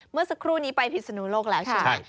เมื่อสักครู่นี้ไปพิศนุโลกแล้วใช่ไหม